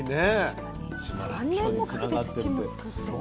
確かに３年もかけて土も作ってってね。